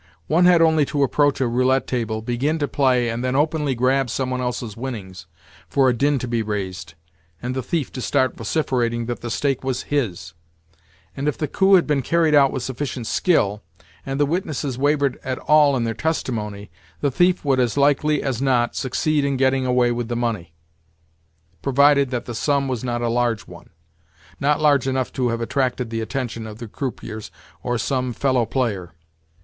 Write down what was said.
One had only to approach a roulette table, begin to play, and then openly grab some one else's winnings, for a din to be raised, and the thief to start vociferating that the stake was his; and, if the coup had been carried out with sufficient skill, and the witnesses wavered at all in their testimony, the thief would as likely as not succeed in getting away with the money, provided that the sum was not a large one—not large enough to have attracted the attention of the croupiers or some fellow player.